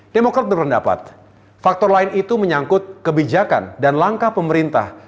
demokrat berpendapat faktor lain itu menyangkut kebijakan dan langkah pemerintah